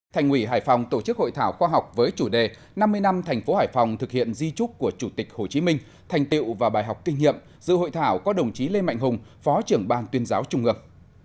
thành ủy hải phòng tổ chức hội thảo khoa học với chủ đề năm mươi năm thành phố hải phòng thực hiện di trúc của chủ tịch hồ chí minh thành tiệu và bài học kinh nghiệm giữa hội thảo có đồng chí lê mạnh hùng phó trưởng ban tuyên giáo trung ước